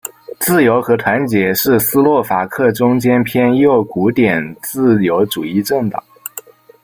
自由和团结是斯洛伐克中间偏右古典自由主义政党。